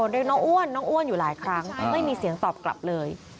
เรียกน้องอ้วนน้องอ้วนอยู่หลายครั้งไม่มีเสียงตอบกลับเลย